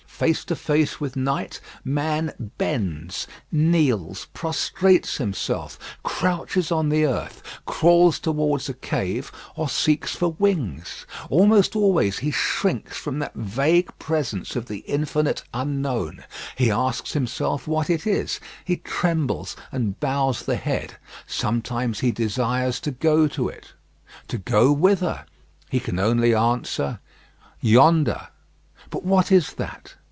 Face to face with night, man bends, kneels, prostrates himself, crouches on the earth, crawls towards a cave, or seeks for wings. Almost always he shrinks from that vague presence of the Infinite Unknown. He asks himself what it is; he trembles and bows the head. Sometimes he desires to go to it. To go whither? He can only answer, "Yonder." But what is that?